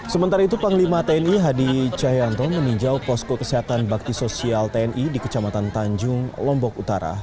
sementara itu panglima tni hadi cahyanto meninjau posko kesehatan bakti sosial tni di kecamatan tanjung lombok utara